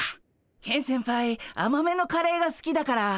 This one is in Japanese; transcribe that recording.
ケン先輩あまめのカレーがすきだから。